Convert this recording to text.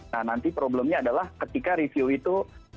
nah nanti problemnya adalah ketika review itu